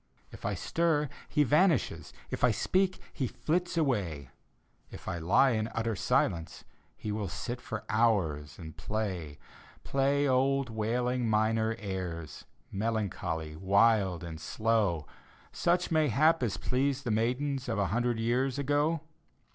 If I stir he vanishes; If I speak he flits away; If I lie in utter silence, He will sit for hours and play; D,gt,, erihyGOOgle The Haunted Hour Play old wailii^ minor airs, Melancholy, wild and slow. Such, mayhap, as pleased the maidens Oi a hundred years ago.